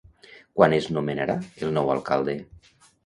Quan es nomenarà el nou alcalde?